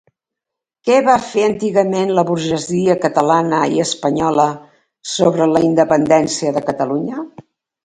Què va fer antigament la burgesia catalana i espanyola sobre la independència de Catalunya?